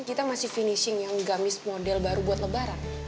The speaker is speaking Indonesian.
kita masih finishing yang gamis model baru buat lebaran